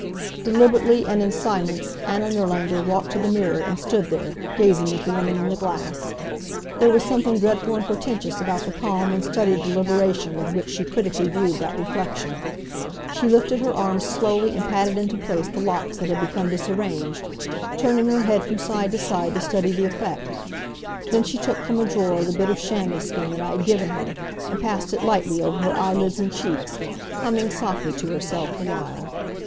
Deliberately and in silence Anna Nirlanger walked to the mirror and stood there, gazing at the woman in the glass. There was something dreadful and portentous about the calm and studied deliberation with which she critically viewed that reflection. She lifted her arms slowly and patted into place the locks that had become disarranged, turning her head from side to side to study the effect. Then she took from a drawer the bit of chamois skin that I had given her, and passed it lightly over her eyelids and cheeks, humming softly to herself the while.